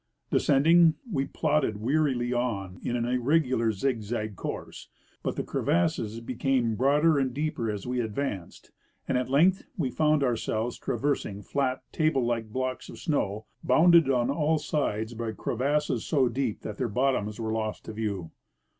Descending, we plodded wearily on in an irregular zigzag course; but the crevasses became broader and deeper as Ave advanced, and at length we found ourselves traversing flat table like blocks of snow, bounded on all sides by crevasses so deep that their bottoms w^ere lost to view.